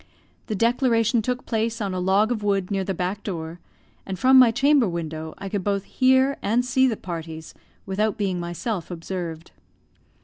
The declaration took place on a log of wood near the back door, and from my chamber window I could both hear and see the parties, without being myself observed.